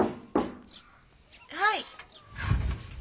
はい。